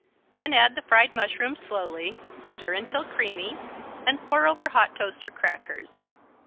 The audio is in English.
Then add the fried mushrooms slowly, stir until creamy and pour over hot toast or crackers.